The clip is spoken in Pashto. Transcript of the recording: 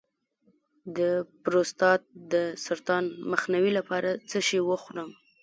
د پروستات د سرطان مخنیوي لپاره څه شی وخورم؟